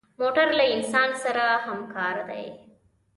موټر له انسان سره همکار دی.